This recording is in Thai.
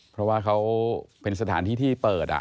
เพราะว่าเขาเป็นสถานที่ที่เปิด